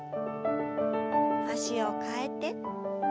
脚を替えて。